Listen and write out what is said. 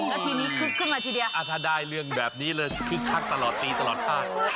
แล้วทีนี้คึกขึ้นมาทีเดียวถ้าได้เรื่องแบบนี้เลยคึกคักตลอดปีตลอดชาติ